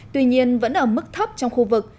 tuy nhiên vẫn ở mức thấp trong khu vực